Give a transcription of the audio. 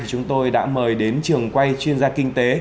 chúng tôi đã mời đến trường quay chuyên gia kinh tế